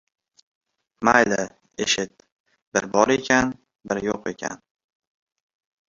— Mayli, eshit. Bir bor ekan, bir yo‘q ekan.